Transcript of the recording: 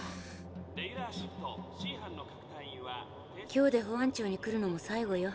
今日で保安庁に来るのも最後よ。